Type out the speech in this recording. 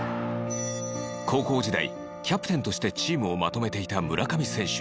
高校時代、キャプテンとしてチームをまとめていた村上選手